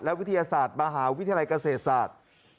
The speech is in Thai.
วิทยาศาสตร์มหาวิทยาลัยเกษตรศาสตร์